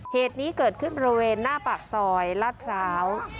เหตุนี้เกิดขึ้นบริเวณหน้าปากซอยลาดพร้าว